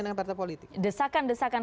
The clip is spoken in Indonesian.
dengan partai politik desakan desakan